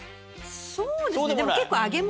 そうですね。